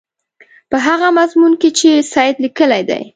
په هغه مضمون کې چې سید لیکلی دی.